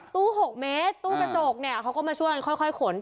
ตู้๖เมตรตู้กระจกเนี่ยเขาก็มาช่วยกันค่อยขน